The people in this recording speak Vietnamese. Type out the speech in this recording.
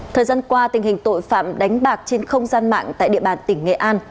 thời gian qua tình hình tội phạm đánh bạc trên không gian mạng tại địa bàn tỉnh nghệ an